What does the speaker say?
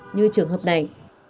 như trường hợp này